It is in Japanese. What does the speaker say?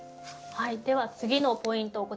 では次のポイント